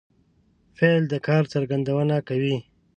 فعل د کار څرګندونه کوي.